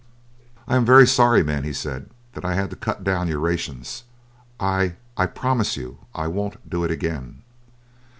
"I am very sorry, men," he said, "that I had to cut down your rations. I I promise you I won't do it again."